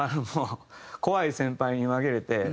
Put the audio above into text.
怖い先輩に紛れて。